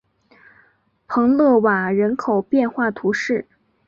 蓬勒瓦人口变化图示